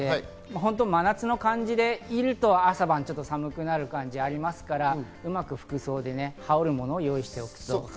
真夏の感じでいると朝晩ちょっと寒くなる感じがありますから、うまく服装で羽織るものを用意しておくといいと思います。